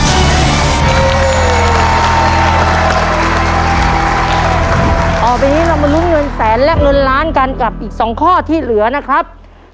ต่อไปนี้เรามาลุ้นเงินแสนและเงินล้านกันกับอีก๒ข้อที่เหลือนะครับ